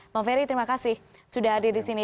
bang ferry terima kasih sudah hadir di sini